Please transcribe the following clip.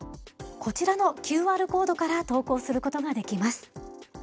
こちらのＱＲコードから投稿することができます。